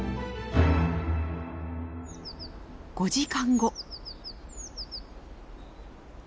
５時間後。